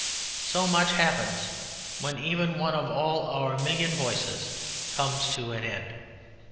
So much happens when even one of all our million voices Comes to an End.